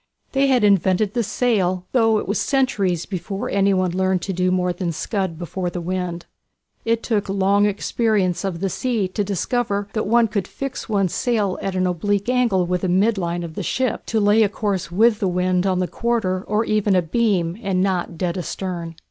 They had invented the sail, though it was centuries before any one learned to do more than scud before the wind. It took long experience of the sea to discover that one could fix one's sail at an oblique angle with the mid line of the ship, and play off rudder against sail to lay a course with the wind on the quarter or even abeam and not dead astern.